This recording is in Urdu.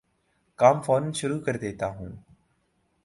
کام فورا شروع کردیتا ہوں